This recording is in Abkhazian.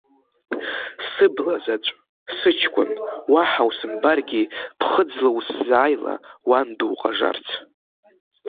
Сыбла заҵә, сыҷкәын, уаҳа усымбаргьы, Ԥхыӡла усзааила, уан дуҟажарц.